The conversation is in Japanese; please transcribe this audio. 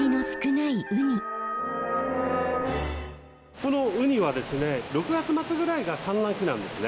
このウニはですね６月末ぐらいが産卵期なんですね。